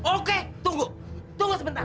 oke tunggu tunggu sebentar